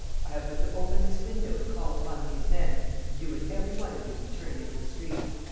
I have but to open this window and call upon these men, and you would every one of you be turned into the street.